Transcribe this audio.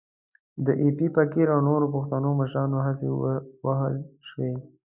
د ایپي فقیر او نورو پښتنو مشرانو هڅې ووهل شوې.